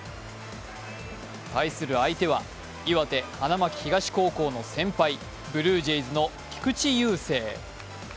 対する相手は岩手・花巻東高校の先輩、ブルージェイズの菊池雄星。